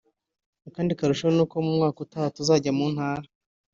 Akandi karusho ni uko uyu mwaka tuzajya no mu Ntara